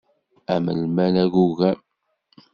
Am lmal agugam.